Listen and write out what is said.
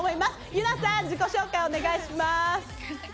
ユナさん、自己紹介をお願いします。